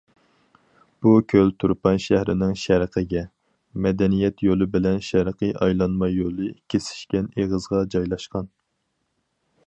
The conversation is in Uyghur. بۇ كۆل تۇرپان شەھىرىنىڭ شەرقىگە، مەدەنىيەت يولى بىلەن شەرقىي ئايلانما يولى كېسىشكەن ئېغىزغا جايلاشقان.